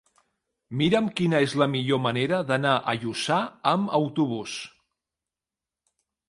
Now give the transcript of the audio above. Mira'm quina és la millor manera d'anar a Lluçà amb autobús.